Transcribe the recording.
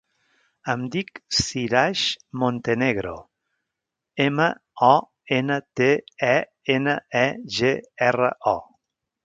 Em dic Siraj Montenegro: ema, o, ena, te, e, ena, e, ge, erra, o.